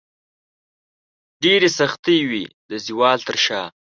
ډیرې سختې وې د زوال تر شاه